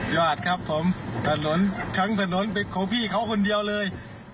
ยอดครับผมถนนทั้งถนนเป็นของพี่เขาคนเดียวเลย